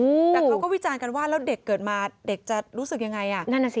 แต่เขาก็วิจารณ์กันว่าแล้วเด็กเกิดมาเด็กจะรู้สึกอย่างไร